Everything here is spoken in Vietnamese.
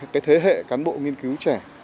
cái thế hệ cán bộ nghiên cứu trẻ